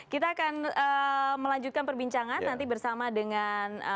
kita akan melanjutkan perbincangan nanti bersama dengan mbak mbak